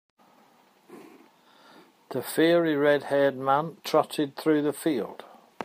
The fiery red-haired man trotted through the field.